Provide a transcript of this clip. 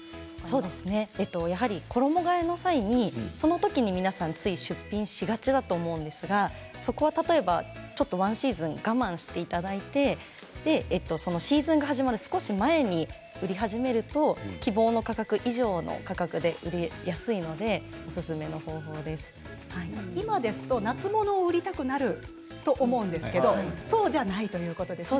やはり衣がえの際にその時に皆さんつい出品しがちだと思うんですがそこは例えばちょっと１シーズン我慢していただいてシーズンが始まる少し前に売り始めると希望の価格以上の価格で売れやすいので今ですと夏物を売りたくなると思うんですけどそうじゃないということですね。